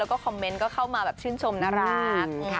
แล้วก็คอมเมนต์ก็เข้ามาแบบชื่นชมน่ารัก